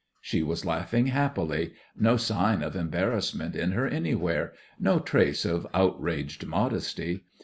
She was laughing happily, no sign of embarrassment in her anywhere, no trace of outraged modesty.